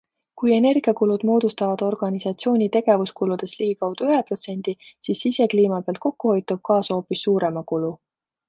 Kui energiakulud moodustavad organisatsiooni tegevuskuludest ligikaudu ühe protsendi, siis sisekliima pealt kokkuhoid toob kaasa hoopis suurema kulu.